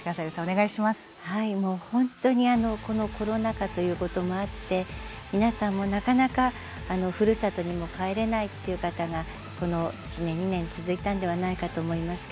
このコロナ禍ということもあって皆さんもなかなかふるさとにも帰れないという方も１年、２年続いたと思います。